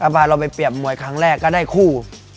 พาเราไปเปรียบมวยครั้งแรกก็ได้คู่